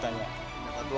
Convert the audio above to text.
nah itu aja